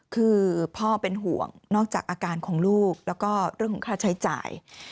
คือพ่อเป็นห่วงนอกจากอาการของลูกแล้วก็เรื่องของค่าใช้จ่าย